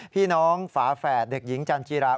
พี่น้องฝาแฝดเด็กหญิงจันจิรา